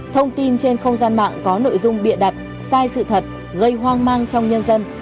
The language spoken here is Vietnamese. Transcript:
thông tin trên không gian mạng có nội dung bịa đặt sai sự thật gây hoang mang trong nhân dân